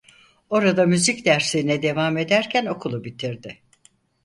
Orada müzik derslerine devam ederken okulu bitirdi.